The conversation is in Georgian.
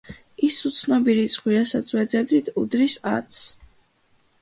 ის უცნობი რიცხვი რასაც ვეძებდით, უდრის ათს.